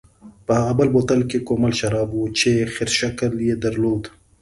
په هغه بل بوتل کې کومل شراب و چې خرس شکل یې درلود.